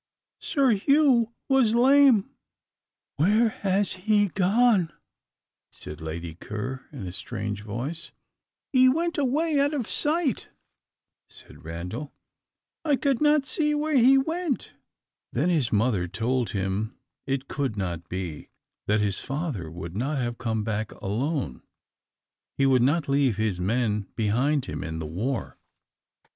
Sir Hugh was lame!" "Where has he gone?" said Lady Ker, in a strange voice. "He went away out of sight," said Randal. "I could not see where he went." Then his mother told him it could not be, that his father would not have come back alone. He would not leave his men behind him in the war.